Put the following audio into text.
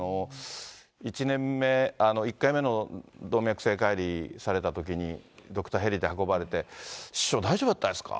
１年目、１回目の動脈性解離されたときに、ドクターヘリで運ばれて、師匠、大丈夫だったですか？